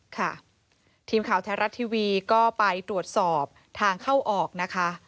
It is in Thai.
ค่ะทีมข่าวแท้รัฐทีวีก็ไปตรวจสอบทางเข้าออกนะคะ